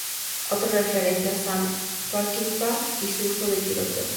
Otro referente es Sam Peckinpah y su uso de tiroteos.